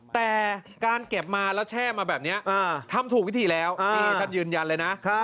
แต่การเก็บมาแล้วแช่มาแบบนี้ทำถูกวิธีแล้วนี่ท่านยืนยันเลยนะ